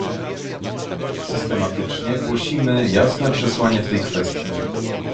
Systematycznie głosimy jasne przesłanie w tej kwestii